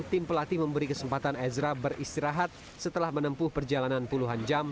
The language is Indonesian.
tim nasional u dua puluh dua ezra walian sudah terlihat di lapangan